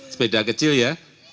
sepeda kecil ya